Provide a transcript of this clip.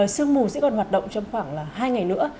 sương mù sẽ còn hoạt động trong khoảng hai ngày nữa